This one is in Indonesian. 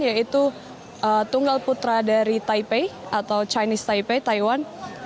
yaitu tunggal putra dari taipei atau chinese taipei taiwan